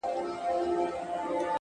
زه چي تا وينم لېونی سمه له حاله وځم!!